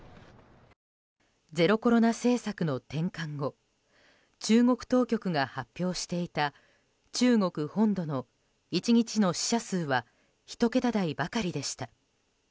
ゼロコロナ政策の転換後中国当局が発表していた中国本土の１日の死者数は１桁台ばかりでした。